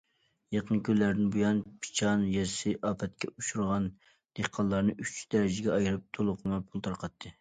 يېقىنقى كۈنلەردىن بۇيان، پىچان يېزىسى ئاپەتكە ئۇچرىغان دېھقانلارنى ئۈچ دەرىجىگە ئايرىپ، تولۇقلىما پۇل تارقاتتى.